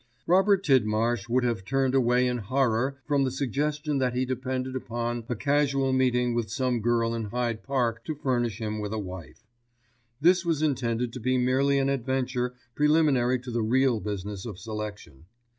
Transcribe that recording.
Robert Tidmarsh would have turned away in horror from the suggestion that he depended upon a casual meeting with some girl in Hyde Park to furnish him with a wife. This was intended to be merely an adventure preliminary to the real business of selection.